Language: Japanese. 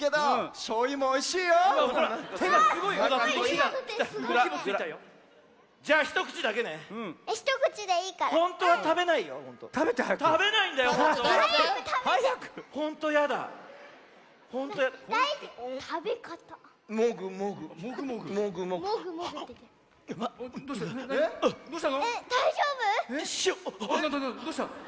どうした？